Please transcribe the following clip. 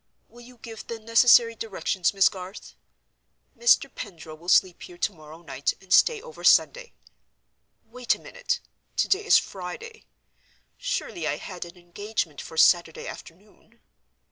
Will you give the necessary directions, Miss Garth? Mr. Pendril will sleep here to morrow night, and stay over Sunday.—Wait a minute! Today is Friday. Surely I had an engagement for Saturday afternoon?"